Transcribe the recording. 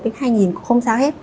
một hai nghìn cũng không sao hết